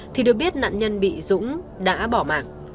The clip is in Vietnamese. thì được biết nạn nhân bị dũng đã bỏ mạng